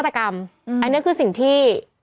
อันนี้คือสิ่งที่